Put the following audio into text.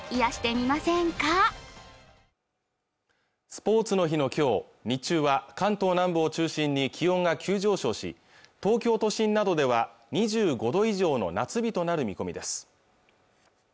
スポーツの日のきょう日中は関東南部を中心に気温が急上昇し東京都心などでは２５度以上の夏日となる見込みです